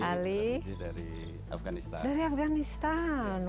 dari afganistan dari afganistan